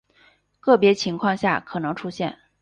个别情况下可能出现。